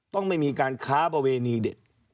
ต้องไม่มีการค้าประเวณีเด็ด